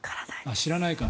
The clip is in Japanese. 知らないか。